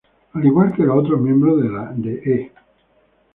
Al igual que los otros miembros de "E".